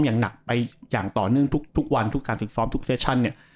อย่างหนักไปอย่างต่อเนื่องทุกวันทุกการฝึกซ้อมทุกเซชั่นเนี่ย